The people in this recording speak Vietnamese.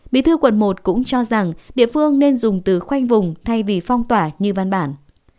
bí thư quận một cũng cho rằng địa phương nên dùng từ khoanh vùng thay vì phong tỏa như văn bản